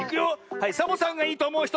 はいサボさんがいいとおもうひと！